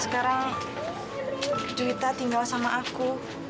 sekarang juita tinggal sama aku